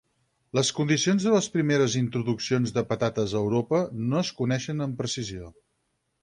Les condicions de les primeres introduccions de patates a Europa no es coneixen amb precisió.